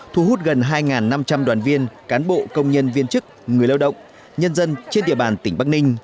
thu hút gần hai năm trăm linh đoàn viên cán bộ công nhân viên chức người lao động nhân dân trên địa bàn tỉnh bắc ninh